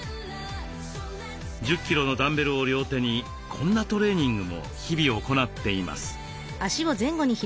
１０キロのダンベルを両手にこんなトレーニングも日々行っています。